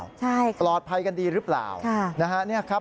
ใช่ค่ะปลอดภัยกันดีหรือเปล่านะครับ